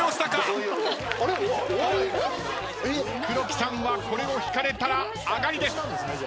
黒木さんはこれを引かれたら上がりです。